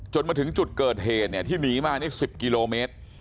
จนมาถึงจุดเกิดเหตุที่หนีมา๑๐กิโลเมตร